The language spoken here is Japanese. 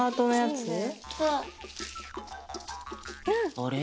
あれ？